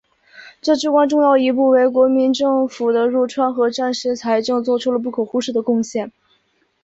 这至关重要一步为国民政府的入川和战时财政作出了不可忽视的贡献。